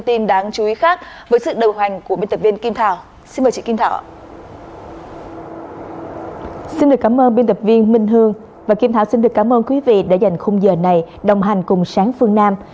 xin được cảm ơn biên tập viên minh hương và kim thảo xin được cảm ơn quý vị đã dành khung giờ này đồng hành cùng sáng phương nam